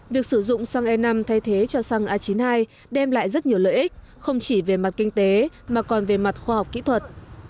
việc sử dụng xăng e năm thay thế cho xăng a chín mươi hai đem lại rất nhiều lợi ích không chỉ về mặt kinh tế mà còn về mặt khoa học kỹ thuật